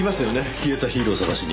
消えたヒーローを捜しに。